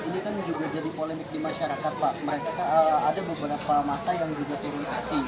mereka ada beberapa masa yang juga terima kasih